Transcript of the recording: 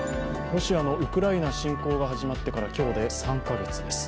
ロシアのウクライナ侵攻が始まってから今日で３カ月です。